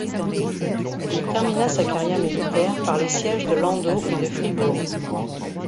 Il termina sa carrière militaire par les sièges de Landau et de Fribourg.